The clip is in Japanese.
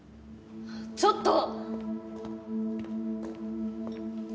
ちょっと！